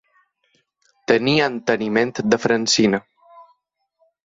Tenir enteniment de Francina.